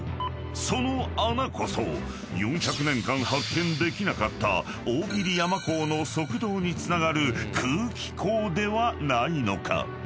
その穴こそ４００年間発見できなかった大切山坑の側道につながる空気口ではないのか？］